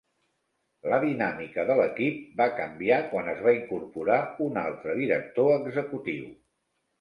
La dinàmica de l'equip va canviar quan es va incorporar un altre director executiu.